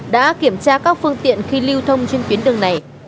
đã kiểm tra các phương tiện khi lưu thông trên tuyến đường này